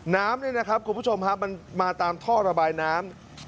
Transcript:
น้ำเนี่ยนะครับคุณผู้ชมครับมันมาตามท่อระบายน้ำ